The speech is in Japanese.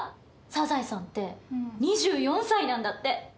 サザエさんって２４歳なんだって。